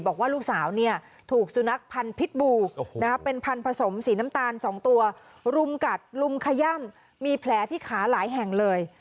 บอกว่าลูกสาวเนี่ยถูกสุนัขพันธ์พิษบูเป็นพันธสมสีน้ำตาล๒ตัวรุมกัดลุมขย่ำมีแผลที่ขาหลายแห่งเลย